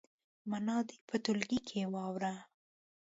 معنا دې په ټولګي کې واوروي.